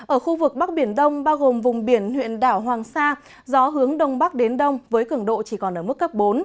ở khu vực bắc biển đông bao gồm vùng biển huyện đảo hoàng sa gió hướng đông bắc đến đông với cường độ chỉ còn ở mức cấp bốn